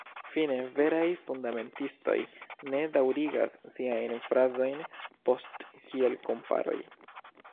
Fine, veraj fundamentistoj ne daŭrigas siajn frazojn post kiel-komparoj.